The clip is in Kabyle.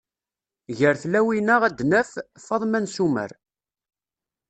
Gar tlawin-a ad naf: Faḍma n Summer.